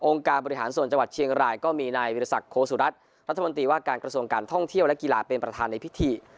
การบริหารส่วนจังหวัดเชียงรายก็มีนายวิทยาศักดิโคสุรัตน์รัฐมนตรีว่าการกระทรวงการท่องเที่ยวและกีฬาเป็นประธานในพิธี